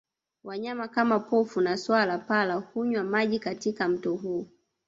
Wanyama kama pofu na swala pala hunywa maji katika mto huu